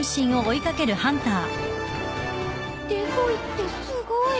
デコイってすごい！